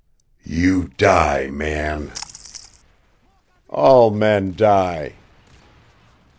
"You die, Man." "All men die."